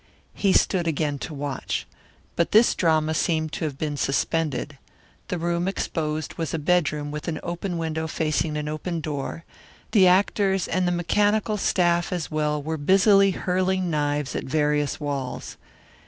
He stood again to watch. But this drama seemed to have been suspended. The room exposed was a bedroom with an open window facing an open door; the actors and the mechanical staff as well were busily hurling knives at various walls.